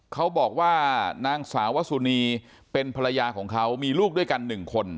เขาบอกว่านางสาวสุนีเป็นภรรยาของเขามีลูกด้วยกัน๑คน